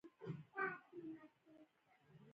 د فزیولوژي پروفېسور پاولو کوریا وايي